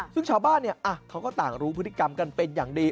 ซึ่งชาวบ้านเขาก็ต่างรู้พฤติกรรมกันเป็นอย่างดี